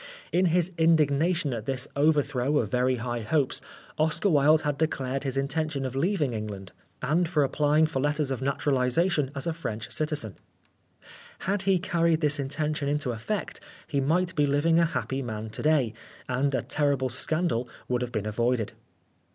In his indignation at this overthrow of very high hopes, Oscar Wilde had declared his intention of leaving England and of applying 134 Oscar Wilde for letters of naturalisation as a French citizen. Had he carried this intention into effect, he might be living a happy man to day, and a terrible scandal would have been avoided.